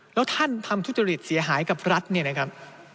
แล้วท่านทำทุจริตเสียหายกับรัฐเนี่ยนะครับ